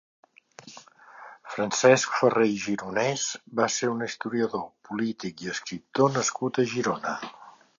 Francesc Ferrer i Gironès va ser un historiador, polític i escriptor nascut a Girona.